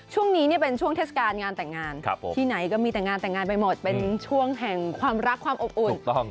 ช่วงนี้เป็นช่วงเทศกาลงานแต่งงานที่ไหนก็มีแต่งานแต่งงานไปหมดเป็นช่วงแห่งความรักความอบอุ่น